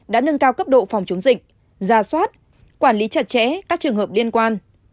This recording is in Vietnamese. đã nâng cao cấp độ phòng chống dịch ra soát quản lý chặt chẽ các trường hợp liên quan